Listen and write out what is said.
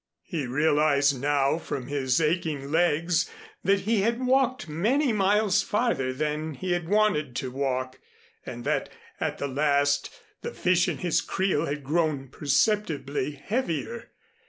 He realized now from his aching legs that he had walked many miles farther than he had wanted to walk, and that, at the last, the fish in his creel had grown perceptibly heavier.